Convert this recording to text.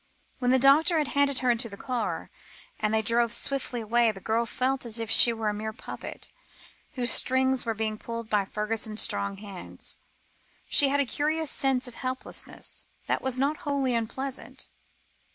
When the doctor had handed her into the car, and they drove swiftly away, the girl felt as if she were merely a puppet, whose strings were being pulled by Fergusson's strong hands. She had a curious sense of helplessness, that was not wholly unpleasant.